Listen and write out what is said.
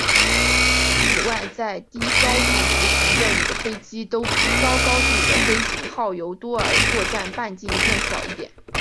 此外在低高度执行任务的飞机都比高高度的飞行耗油多而作战半径变小一点。